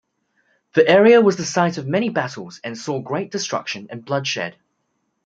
The area was the site of many battles and saw great destruction and bloodshed.